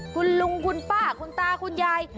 คุณลุงคุณป้าคุณตาคุณยาย